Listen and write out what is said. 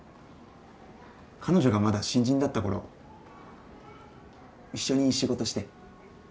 彼女がまだ新人だった頃一緒に仕事して。